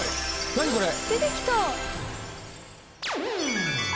何これ。